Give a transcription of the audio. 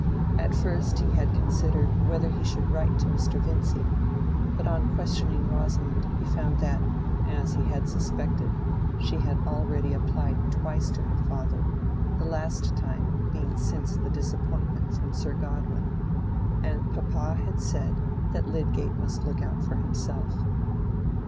At first he had considered whether he should write to Mr. Vincy; but on questioning Rosamond he found that, as he had suspected, she had already applied twice to her father, the last time being since the disappointment from Sir Godwin; and papa had said that Lydgate must look out for himself.